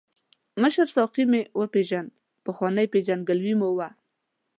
مشر ساقي مې وپیژاند، پخوانۍ پېژندګلوي مو وه.